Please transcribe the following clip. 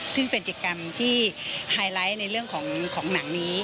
ซึ่งเป็นกิจกรรมที่ไฮไลท์ในเรื่องของหนังนี้